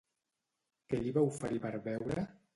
Què li va oferir per beure?